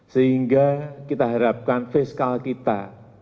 sehingga kita harapkan fiskal kita